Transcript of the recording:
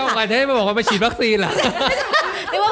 พี่เจ้าอาทิตย์มาบอกว่ามาฉีดวัคซีนหรอ